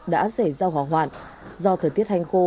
đã xảy ra hỏa hoạn do thời tiết hành khô